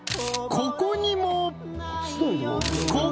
ここにも！